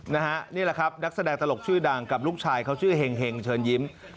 นี่แหละครับนักแสดงตลกชื่อดังกับลูกชายเขาชื่อเห็งเชิญยิ้ม